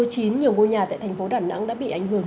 nhiều ngôi nhà tại thành phố đà nẵng đã bị ảnh hưởng